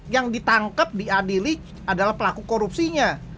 yang ditangkap diadili adalah pelaku korupsinya